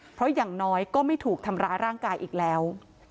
เพราะอย่างน้อยก็ไม่ถูกทำร้ายร่างกายอีกแล้ว